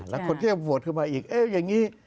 แล้วคนที่จะโหวตขึ้นมาอีกเอ๊ะอย่างนี้